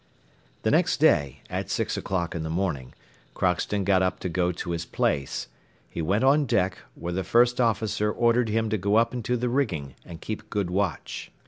The next day, at six o'clock in the morning, Crockston got up to go to his place; he went on deck, where the first officer ordered him to go up into the rigging, and keep good watch.